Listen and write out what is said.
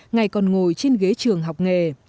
ngay còn ngồi trên ghế trường học nghề